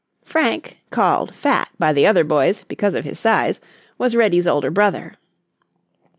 Frank, called "Fat" by the other boys, because of his size, was Reddy's older brother.